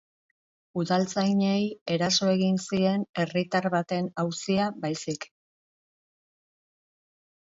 Udaltzainei eraso egin zien herritar baten auzia baizik.